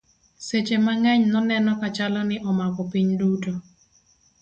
sechhe mang'eny noneno kachalo ni omako piny duto